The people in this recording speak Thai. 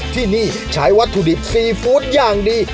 ที่นี่ใช้วัตถุดิบซีฟู้ดอย่างดี